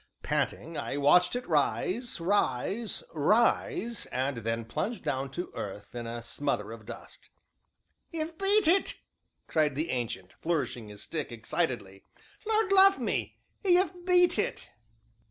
Panting, I watched it rise, rise, rise, and then plunge down to earth in a smother of dust. "'E've beat it!" cried the Ancient, flourishing his stick excitedly. "Lord love me, 'e've beat it!"